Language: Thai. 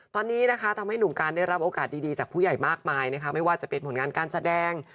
ตอนนี้นะคะทำให้หนุ่มการได้รับโอกาสดีจากผู้ใหญ่มากมายนะคะไม่ว่าจะเป็นผลงานการแสดง